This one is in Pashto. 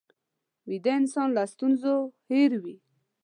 ویده انسان له ستونزو هېر وي